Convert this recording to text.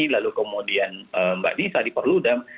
lalu kemudian mbak nisa di perludem